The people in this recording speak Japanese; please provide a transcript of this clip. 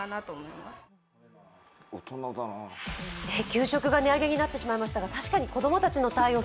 給食が値上げになってしまいましたが確かに子供たちの対応